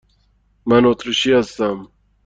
من اتریشی هستم.